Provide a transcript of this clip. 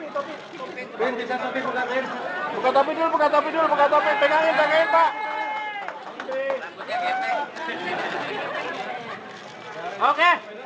tunggu dulu pak tunggu dulu pak